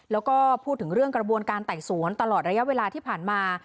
แล้วก็พูดถึงเรื่องกระบวนการไต่สวนตลอดระยะเวลาที่ผ่านมา